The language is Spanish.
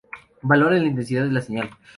Valora la intensidad de la señal.